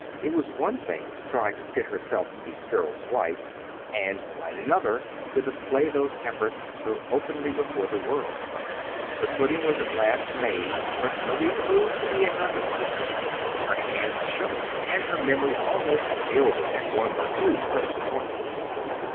It was one thing to try to fit herself to be Cyril's wife, and quite another to display those efforts so openly before the world. The pudding was made at last, but Marie proved to be a nervous teacher. Her hand shook, and her memory almost failed her at one or two critical points.